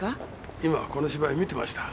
今この芝居見てました。